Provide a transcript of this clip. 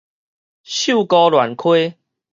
秀姑巒溪